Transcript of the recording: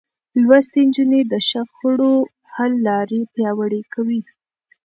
لوستې نجونې د شخړو حل لارې پياوړې کوي.